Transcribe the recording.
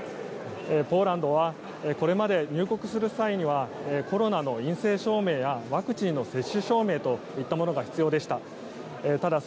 ポーランドはこれまで入国する際にはコロナの陰性証明やワクチンの接種証明といったものが必要でした。